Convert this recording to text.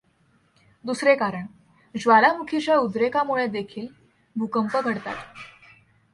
दुसरे कारण ज्वालामुखीच्या उद्रेकामुळेदेखील भूकंप घडतात.